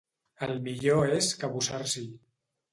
El millor és cabussar-s’hi.